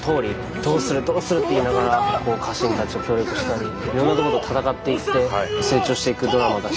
どうする？って言いながら家臣たちと協力したりいろんなとこと戦っていって成長していくドラマだし